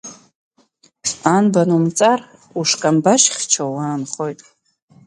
Анбан умҵар ушкамбашьхьчоу уаанхоит!